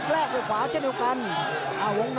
แรกด้วยขวาเช่นเดียวกัน